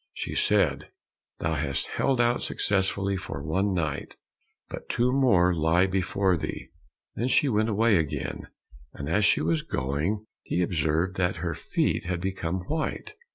She said, "Thou hast held out successfully for one night, but two more lie before thee." Then she went away again, and as she was going, he observed that her feet had become white.